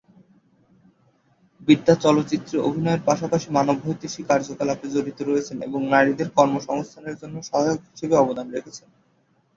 বিদ্যা চলচ্চিত্রে অভিনয়ের পাশাপাশি মানবহিতৈষী কার্যকলাপে জড়িত রয়েছেন এবং নারীদের কর্মসংস্থানের জন্য সহায়ক হিসেবে অবদান রেখেছেন।